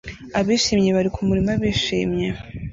Abishimye bari kumurima bishimye